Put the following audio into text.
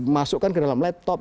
masukkan ke dalam laptop